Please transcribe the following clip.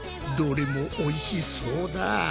どれもおいしそうだ。